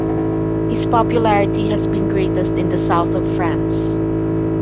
His popularity has been greatest in the south of France.